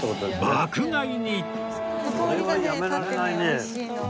爆買いに